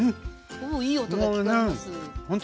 おおいい音が聞こえます。